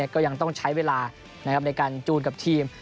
ก็ยังต้องใช้เวลาในการจูนกับทีม